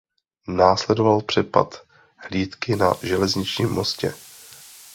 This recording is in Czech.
Následoval přepad hlídky na železničním mostě.